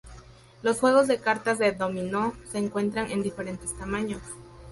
Los juegos de cartas de dominó se encuentran en diferentes tamaños.